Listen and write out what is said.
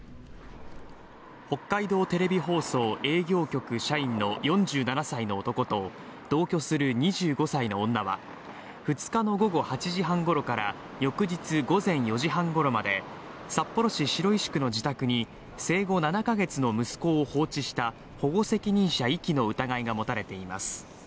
北海道テレビ放送営業局社員の４７歳の男と同居する２５歳の女は２日の午後８時半ごろから翌日午前４時半ごろまで札幌市白石区の自宅に生後７か月の息子を放置した保護責任者遺棄の疑いが持たれています